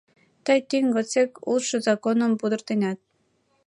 — Тый тӱҥ годсек улшо законым пудыртенат...